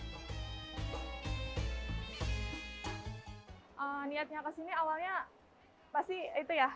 niatnya kesini awalnya pasti itu ya